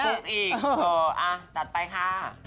พี่ป๋องอีกเอออะจัดไปค่ะ